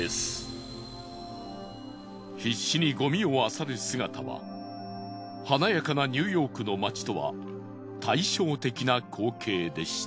必死にゴミをあさる姿は華やかなニューヨークの街とは対照的な光景でした。